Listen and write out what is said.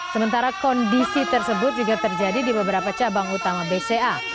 sementara kondisi tersebut juga terjadi di beberapa cabang utama bca